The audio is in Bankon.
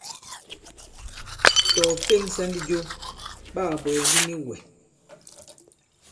Tɔ̀ ɔ̀ fe᷇ŋsā ndi jo, ɓa kà bwɛ̀ɛ̀ ndi nik wɛ̀.